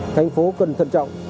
thành phố cần thân trọng